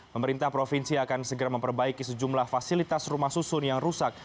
pemerintah provinsi akan segera memperbaiki sejumlah fasilitas rumah susun yang rusak